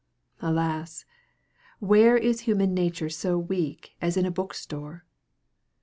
Alas! where is human nature so weak as in a book store!